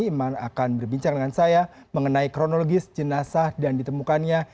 iman akan berbincang dengan saya mengenai kronologis jenazah dan ditemukannya